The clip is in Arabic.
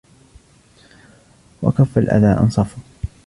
وَكَفَّ الْأَذَى أَنْصَفُ